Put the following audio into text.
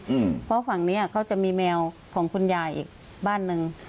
อืมเพราะฝั่งเนี้ยเขาจะมีแมวของคุณยายอีกบ้านหนึ่ง